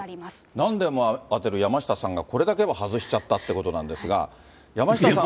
なんでも当てる山下さんが、これだけ外しちゃったってことなんですが、山下さん。